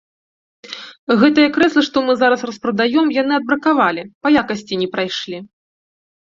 Гэтыя крэслы, што мы зараз распрадаём, яны адбракавалі, па якасці не прайшлі.